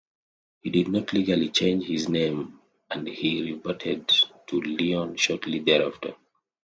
He did not legally change his name and he reverted to Leon shortly thereafter.